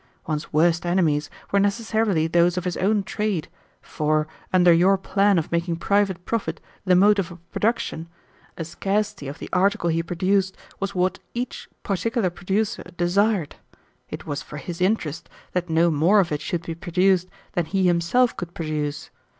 One's worst enemies were necessarily those of his own trade, for, under your plan of making private profit the motive of production, a scarcity of the article he produced was what each particular producer desired. It was for his interest that no more of it should be produced than he himself could produce.